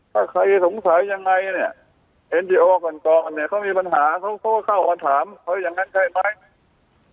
ถ้าใครสงสัยยังไงเนี่ยเห็นดีโอก่อนเนี่ยเขามีปัญหาเขาก็เข้ามาถามเขาอย่างนั้นใช่ไหม